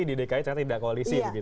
di dki tidak koalisi